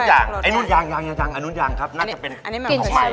อย่างไอ้นู้นยังยังอันนู้นยังครับน่าจะเป็นของใหม่